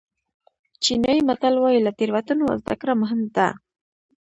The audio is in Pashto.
چینایي متل وایي له تېروتنو زده کړه مهم ده.